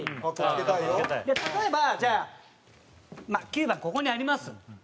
例えばじゃあまあ９番ここにあります。